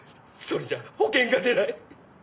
それじゃ保険が出ない！